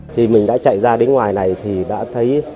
thì mình đã chạy ra đến ngoài này thì đã thấy